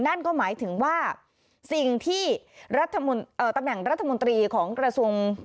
นั่นก็หมายถึงว่าสิ่งที่ตำแหน่งรัฐมนตรีของกระทรวง